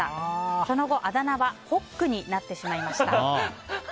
その後、あだ名はホックになってしまいました。